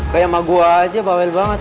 kayak emak gue aja bawel banget